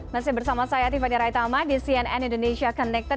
masih bersama saya tiffany raitama di cnn indonesia connected